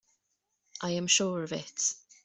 I am sure of it.